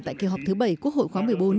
tại kỳ họp thứ bảy quốc hội khóa một mươi bốn